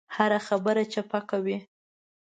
هره خبره چپه کوي.